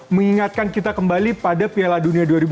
mengingatkan kita kembali pada piala dunia dua ribu enam